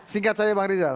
singkat saja bang rizal